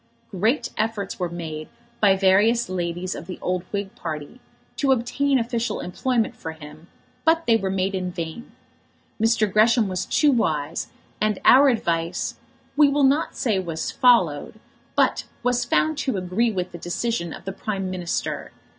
Great efforts were made by various ladies of the old Whig party to obtain official employment for him, but they were made in vain. Mr. Gresham was too wise, and our advice, we will not say was followed, but was found to agree with the decision of the Prime Minister.